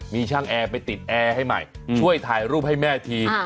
มีช่างแอร์ไปติดแอร์ให้ใหม่ช่วยถ่ายรูปให้แม่ที